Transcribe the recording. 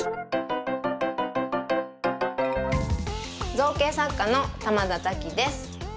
造形作家の玉田多紀です。